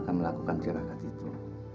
untuk melakukan keragat itu